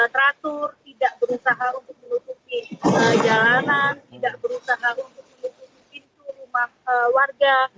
tidak ada yang berusaha untuk melukuki jalanan tidak berusaha untuk melukuki pintu rumah warga